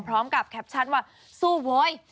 พร้อมกับแคปชั่นว่าสู้เว้ย